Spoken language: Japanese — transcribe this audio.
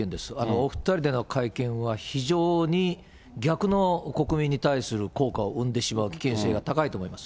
お２人での会見は、非常に逆の国民に対する効果を生んでしまう危険性が高いと思います。